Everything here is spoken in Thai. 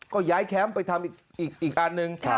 ก็ย้ายแคมป์ไปทำอีกอันหนึ่ง